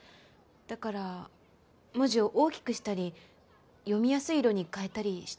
だから文字を大きくしたり読みやすい色に変えたりしたいだけなんですが。